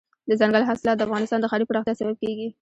دځنګل حاصلات د افغانستان د ښاري پراختیا سبب کېږي.